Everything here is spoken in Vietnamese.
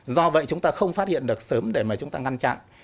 do vậy chúng ta không phát hiện được sớm để mà chúng ta ngăn chặn